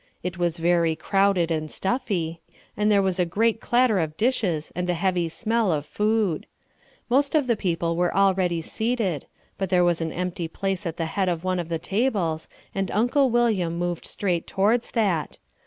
It was very crowded and stuffy, and there was a great clatter of dishes and a heavy smell of food. Most of the people were already seated, but there was an empty place at the head of one of the tables and Uncle William moved straight towards that.